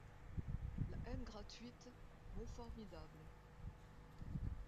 La haine gratuite, mot formidable.